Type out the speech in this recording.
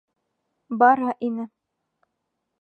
Бара ине.